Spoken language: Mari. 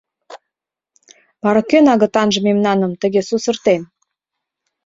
— Вара кӧн агытанже мемнаным тыге сусыртен?